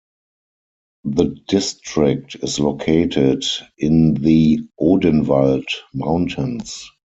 The district is located in the Odenwald mountains.